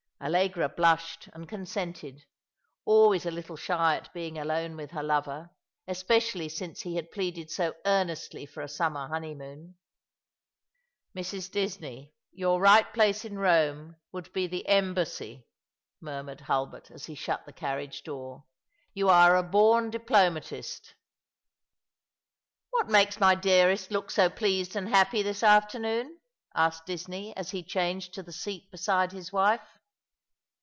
Allegra blushed and consented, always a little shy at being alone with her lover, especially since he had pleaded so earnestly for a summer honeymoon. "Mrs. Disney, your right place in Eome would be the Embassy," murmured Hulbert as he shut the carriage door ;" you are a bom dii)lomatist." " What makes my dearest look so pleased and happy this afternoon ?" asked Disney, as he changed to the seat beside his wife.